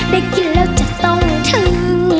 ได้กินแล้วจะต้องถึง